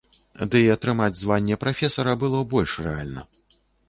Дый атрымаць званне прафесара было больш рэальна.